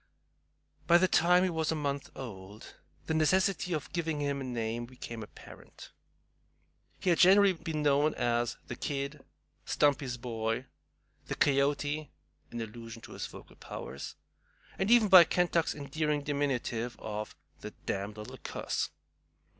By the time he was a month old the necessity of giving him a name became apparent. He had generally been known as "The Kid," "Stumpy's Boy," "The Coyote" (an allusion to his vocal powers), and even by Kentuck's endearing diminutive of "The damned little cuss."